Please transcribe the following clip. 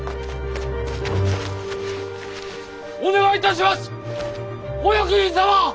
お願いいたしますお役人様！